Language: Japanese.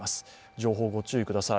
情報ご注意ください。